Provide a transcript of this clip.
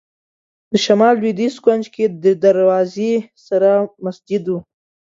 د شمال لوېدیځ کونج کې دروازې سره مسجد و.